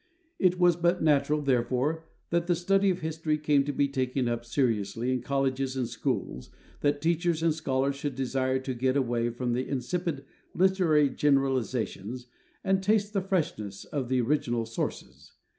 It was but natural, therefore, when the study of history came to be taken up seriously in colleges and schools, that teachers and scholars should desire to get away from the insipid literary generalizations, and taste the freshness of the original sources.